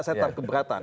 saya tak keberatan